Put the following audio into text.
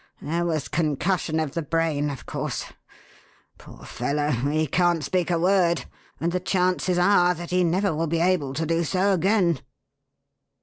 There was concussion of the brain, of course. Poor fellow, he can't speak a word, and the chances are that he never will be able to do so again."